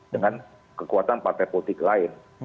dengan kekuatan partai politik lain